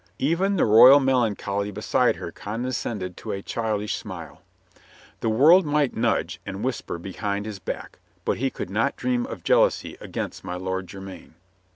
Even the royal melancholy beside her condescended to a child ish smile. The world might nudge and whisper be hind his back, but he could not dream of jealousy against my Lord Jermyn.